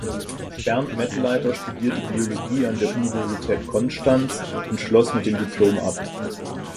Bernd Mettenleiter studierte Biologie an der Universität Konstanz und schloss mit dem Diplom ab.